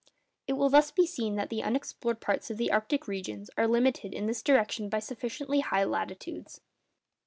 It will thus be seen that the unexplored parts of the arctic regions are limited in this direction by sufficiently high latitudes.